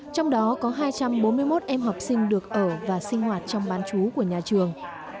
trong đó có hai trăm bốn mươi một em học sinh được ở và sinh hoạt trong bán chú của nhà trường